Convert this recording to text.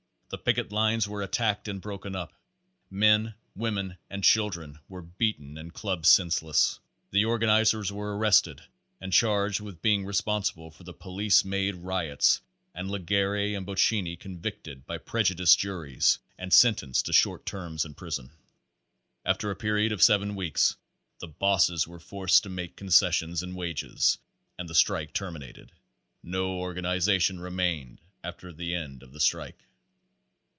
The picket lines were attacked and broken up ; men, women and children were beaten and clubbed senseless. The organizers were arrested and charged with being re sponsible for the police made riots and Legere and Boc cinni convicted by prejudiced juries and sentenced to short terms in prison. After a period of several weeks the bosses were forced to make concessions in wages and the strike terminated. No organization remained after the end of the strike.